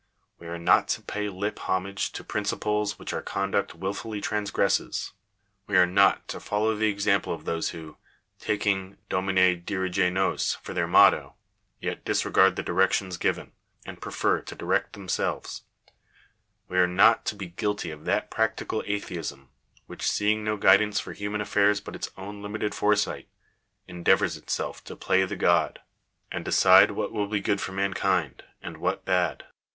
We are not to pay lip homage to prin f ciples which our conduct wilfully transgresses. We are not to follow the example of those who, taking " Domine dirige nos" for their motto, yet disregard the directions given, and prefer to direct themselves. We are not to be guilty of that practical atheism, which, seeing no guidance for human affairs but its own limited foresight, endeavours itself to play the god, and Digitized by VjOOQIC 476 CONCLUSION. .decide what will be good for mankind, and what bad.